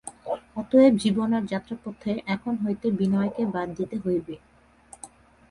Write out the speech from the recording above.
অতএব জীবনের যাত্রাপথে এখন হইতে বিনয়কে বাদ দিতে হইবে।